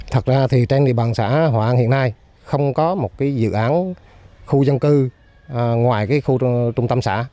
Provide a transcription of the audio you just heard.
thật ra thì trên địa bàn xã hòa an hiện nay không có một dự án khu dân cư ngoài khu trung tâm xã